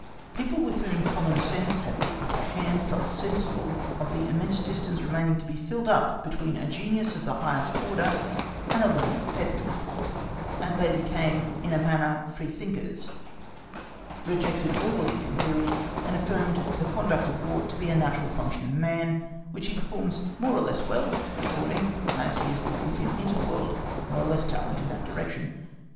People with whom common sense had the upper hand felt sensible of the immense distance remaining to be filled up between a genius of the highest order and a learned pedant; and they became in a manner free thinkers, rejected all belief in theory, and affirmed the conduct of War to be a natural function of man, which he performs more or less well according as he has brought with him into the world more or less talent in that direction.